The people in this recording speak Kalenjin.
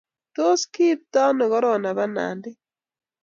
tos kiibtano korona banandit?